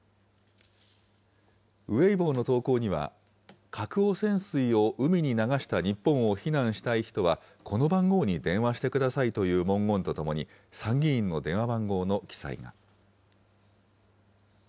ウェイボーの投稿には、核汚染水を海に流した日本を非難したい人は、この番号に電話してくださいという文言とともに、参議院の電話番号の記載が。